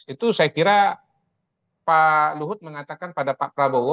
itu saya kira pak luhut mengatakan pada pak prabowo